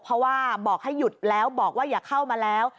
เพราะว่าบอกให้หยุดแล้วบอกว่าอย่าเข้ามาแล้ว